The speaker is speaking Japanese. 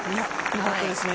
良かったですね